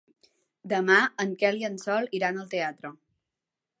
Demà en Quel i en Sol iran al teatre.